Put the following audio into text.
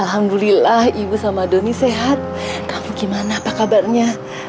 alhamdulillah ibu sama doni sehat aku gimana apa kabarnya